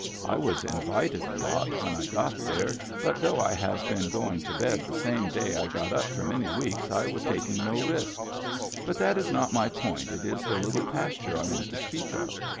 I was invited a lot when I got there but though I have been go ing to bed the same day I got up for many weeks I was taking no risk. But that is not my point it is the Little Pasture I want to speak of.